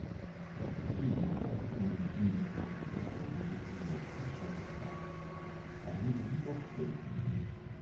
Fille d'un fabricant de jeans prospère, elle épouse un riche avocat avant de divorcer.